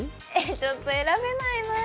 ちょっと選べないな。